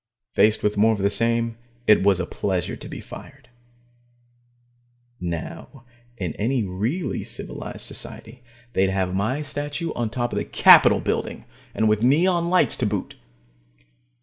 Faced with more of the same, it was a pleasure to be fired. Now, in any really civilized society, they'd have my statue on top of the capitol building, and with neon lights to boot.